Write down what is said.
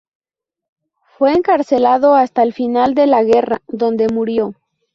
Fue encarcelado hasta el final de la guerra, donde murió.